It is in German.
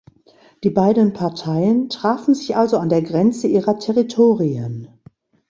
Die beiden Parteien trafen sich also an der Grenze ihrer Territorien.